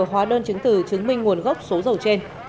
hóa đơn chứng từ chứng minh nguồn gốc số dầu trên